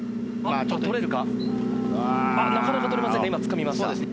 あっ、なかなか取れませんね。